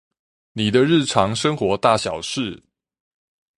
你的日常生活大小事